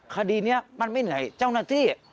คดีเนี่ยมันไม่เหนื่อยเจ้าหน้าที่